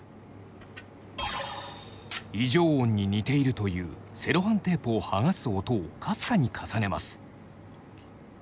異常音に似ているというセロハンテープを剥がす音をかすかに重ねます。